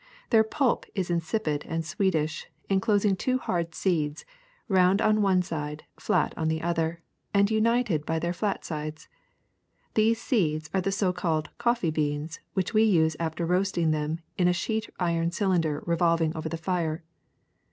Their pulp is insipid and sweetish, enclosing two hard seeds, round on one side, flat on the other, and united by their flat sides. These seeds are the so called coffee beans which we use after roasting them in a sheet iron cylinder revolving over the fire.